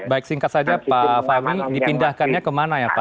baik singkat saja pak fahmi dipindahkannya kemana ya pak